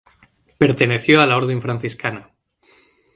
Perteneció a la Orden Franciscana.